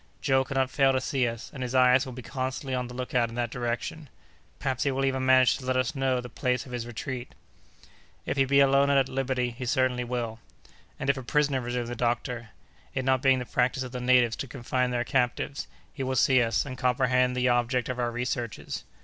Joe cannot fail to see us, and his eyes will be constantly on the lookout in that direction. Perhaps he will even manage to let us know the place of his retreat." "If he be alone and at liberty, he certainly will." "And if a prisoner," resumed the doctor, "it not being the practice of the natives to confine their captives, he will see us, and comprehend the object of our researches."